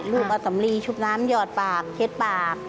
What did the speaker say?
ลูกอสมรีชุบน้ำหยอดปากเช็ดปาก